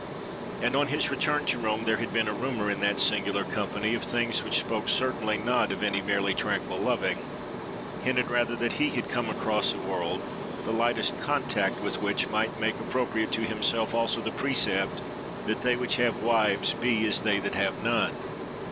And on his return to Rome there had been a rumour in that singular company, of things which spoke certainly not of any merely tranquil loving: hinted rather that he had come across a world, the lightest contact with which might make appropriate to himself also the precept that "They which have wives be as they that have none."